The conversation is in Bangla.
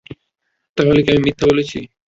তাহলে কি আমি মিথ্যা বলছি?